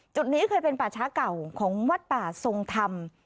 จุดนี้เคยเป็นป่าช้าเก่าของวัดป่าทรงธรรม